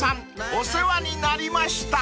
お世話になりました］